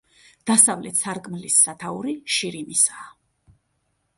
დასავლეთ სარკმლის სათაური შირიმისაა.